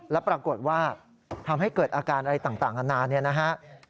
แล้วปรากฏว่าทำให้เกิดอาการอะไรต่างนานาเนี่ยนะฮะ